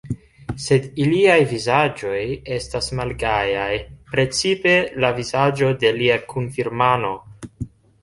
Sed iliaj vizaĝoj estas malgajaj, precipe la vizaĝo de lia kunfirmano.